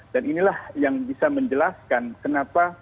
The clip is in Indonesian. dan inilah yang bisa menjelaskan kenapa